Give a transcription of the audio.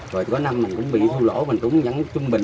rồi có năm mình cũng bị thua lỗ mình cũng vẫn trung bình